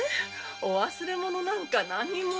お忘れ物なんか何にも。